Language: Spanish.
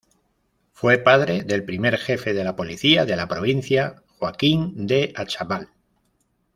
Fue padre del primer jefe de la policía de la provincia, Joaquín de Achával.